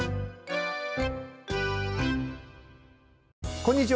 こんにちは。